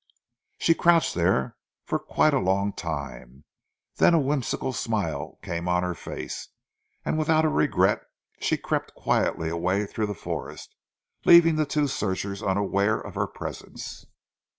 She crouched there for quite a long time, then a whimsical smile came on her face, and without a regret she crept quietly away through the forest, leaving the two searchers unaware of her presence.